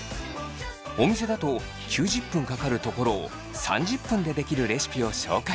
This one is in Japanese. お店だと９０分かかるところを３０分でできるレシピを紹介します。